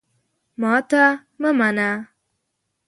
ماته مه منه !